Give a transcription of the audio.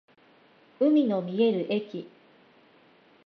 海の見える駅